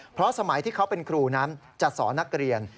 เพราะสมัยที่เขาเป็นครูนั้นจะสอนนักเรียน